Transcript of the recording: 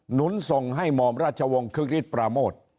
หนุนส่งให้หม่อมราชวงศ์คึกฤทธิปราโมท